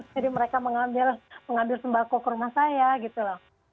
jadi mereka mengambil sembako ke rumah saya gitu loh